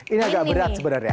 ini agak berat sebenarnya